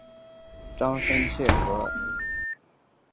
张深切与苏芗雨甚至参加武装反日。